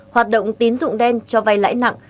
hoạt động tín dụng đen cho vai lãi nặng